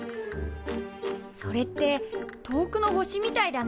それって遠くの星みたいだね。